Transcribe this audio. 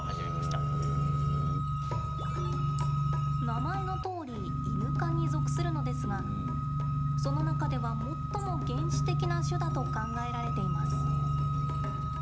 名前のとおりイヌ科に属するのですがその中では最も原始的な種だと考えられています。